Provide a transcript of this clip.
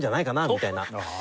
みたいな。